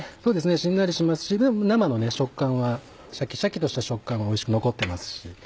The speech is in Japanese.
しんなりしますしでも生の食感はシャキシャキとした食感はおいしく残ってますし。